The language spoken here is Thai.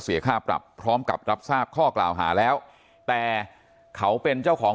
เสียค่าปรับพร้อมกับรับทราบข้อกล่าวหาแล้วแต่เขาเป็นเจ้าของ